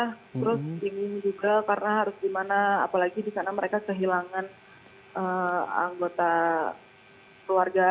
terus ingin juga karena harus gimana apalagi di sana mereka kehilangan anggota keluarga